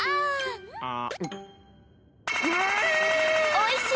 おいしい